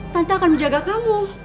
tante akan menjaga kamu